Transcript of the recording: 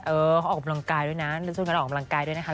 เออเขาออกกำลังกายด้วยนะ